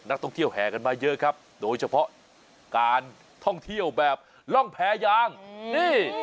นักท่องเที่ยวแห่กันมาเยอะครับโดยเฉพาะการท่องเที่ยวแบบร่องแพรยางนี่